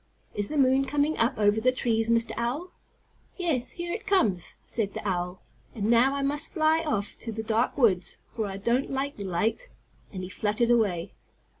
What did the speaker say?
"Is the moon coming up over the trees, Mr. Owl?" "Yes, here it comes," said the owl, "and now I must fly off to the dark woods, for I don't like the light," and he fluttered away.